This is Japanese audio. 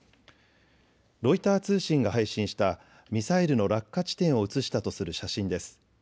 ロイター通信が配信したミサイルの落下地点を映したとする写真です。